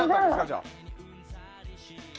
じゃあ。